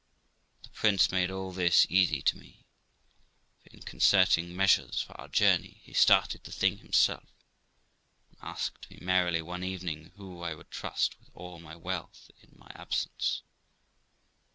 But the prince made all this easy to me; for in concerting measures for our journey, he started the thing himself, and asked me merrily one evening who I would trust with all my wealth in my absence.